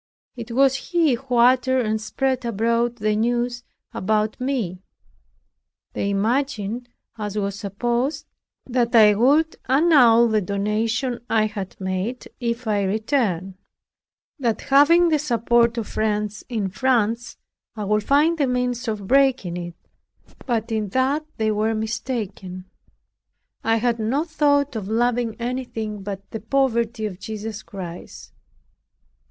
It was he who uttered and spread abroad the news about me. They imagined, as was supposed, that I would annul the donation I had made, if I returned; that, having the support of friends in France, I would find the means of breaking it; but in that they were much mistaken. I had no thought of loving anything but the poverty of Jesus Christ.